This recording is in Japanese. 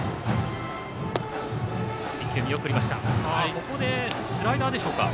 ここでスライダーでしょうか。